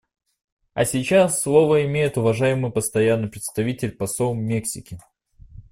А сейчас слово имеет уважаемый Постоянный представитель посол Мексики.